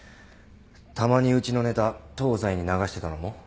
たまにうちのネタ『東西』に流してたのも？